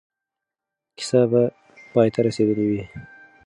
کیسه به پای ته رسېدلې وي.